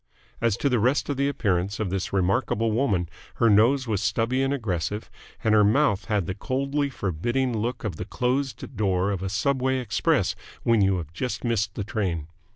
As to the rest of the appearance of this remarkable woman, her nose was stubby and aggressive, and her mouth had the coldly forbidding look of the closed door of a subway express when you have just missed the train.